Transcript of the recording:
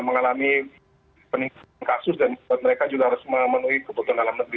mengalami peningkatan kasus dan buat mereka juga harus memenuhi kebutuhan dalam negeri